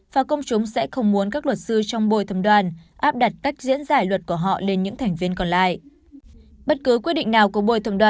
và công chúng sẽ không muốn các luật sư trong bồi thẩm đoàn áp đặt cách diễn ra